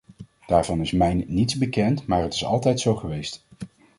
Daarvan is mijn niets bekend, maar het is altijd zo geweest.